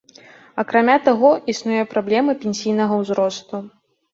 Акрамя таго, існуе праблема пенсійнага ўзросту.